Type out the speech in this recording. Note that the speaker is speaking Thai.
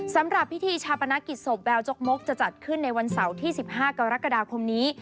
สำหรับพิธีชาปนกิจศพแววจกมกจะจัดขึ้นในวันเสาร์ที่๑๕กรกฎาคมนี้